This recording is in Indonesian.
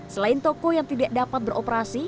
selain toko yang tidak dapat beroperasi